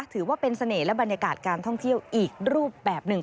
ถือว่าเป็นเสน่ห์และบรรยากาศการท่องเที่ยวอีกรูปแบบหนึ่ง